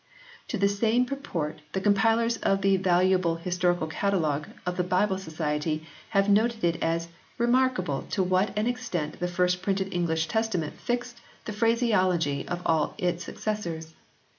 To the same purport the compilers of the valuable Historical Catalogue of the Bible Society have noted it as "remarkable to what an extent the first printed English Testament fixed the phraseology of all its successors.